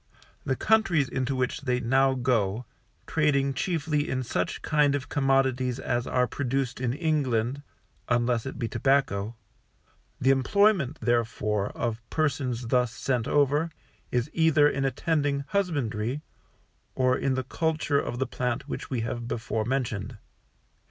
The countries into which they now go, trading chiefly in such kind of commodities as are produced in England (unless it be tobacco), the employment, therefore, of persons thus sent over, is either in attending husbandry, or in the culture of the plant which we have before mentioned.